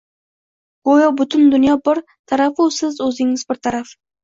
Go‘yo butun dunyo bir tarafu siz o‘zingiz bir taraf...